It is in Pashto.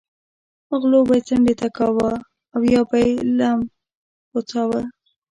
غلو به یې څنډې ته کاوه او یا به یې لم غوڅاوه.